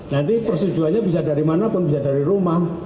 nanti persetujuannya bisa dari mana pun bisa dari rumah